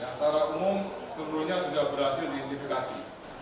secara umum seluruhnya sudah berhasil diidentifikasi